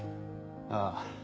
ああ。